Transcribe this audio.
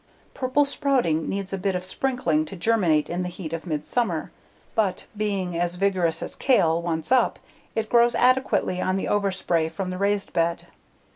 Purple Sprouting needs a bit of sprinkling to germinate in the heat of midsummer, but, being as vigorous as kale, once up, it grows adequately on the overspray from the raised bed.